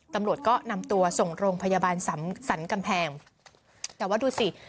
ตำรวจก็นำตัวส่งโรงพยาบาลสำสรรกำแพงแต่ว่าดูสิ